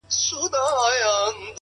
o زما او ستا تر منځ صرف فرق دادى؛